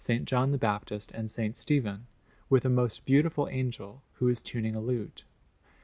John the Baptist, and S. Stephen, with a most beautiful angel, who is tuning a lute.